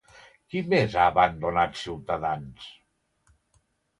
Qui més ha abandonat Ciutadans?